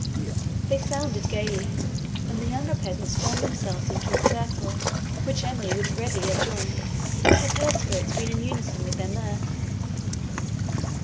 They sounded gaily; and the younger peasants formed themselves into a circle, which Emily would readily have joined, had her spirits been in unison with their mirth.